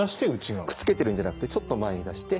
くっつけてるんじゃなくてちょっと前に出して内側。